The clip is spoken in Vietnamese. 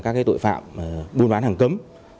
các tội phạm buôn bán hàng cấm